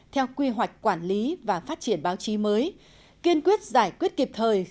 theo quy hoạch quản lý và phát triển báo chí mới kiên quyết giải quyết kịp thời